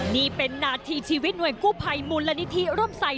นี่เป็นนาทีชีวิตหน่วยกู้ภัยมูลนิธิร่มใส่